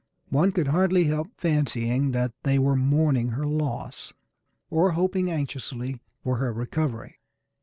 One could hardly help fancying that they were mourning her loss, or hoping anxiously for her recovery.